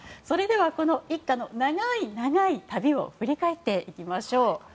それではこの一家の長い長い旅を振り返っていきましょう。